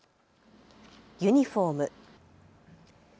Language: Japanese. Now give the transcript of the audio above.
ユニフォーム。